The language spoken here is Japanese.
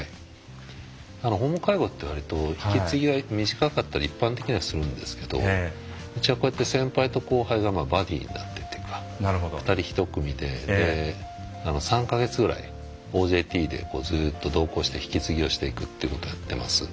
訪問介護ってわりと引き継ぎが短かったり一般的にはするんですけどうちはこうやって先輩と後輩がバディになってっていうか２人１組で３か月くらいＯＪＴでずっと同行して引き継ぎをしていくということをやってます。